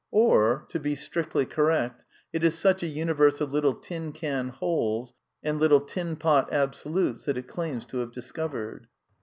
Or, to be strictly correct, it is such a universe of I little tin can wholes and little tin pot absolutes that it I claims to have discovered.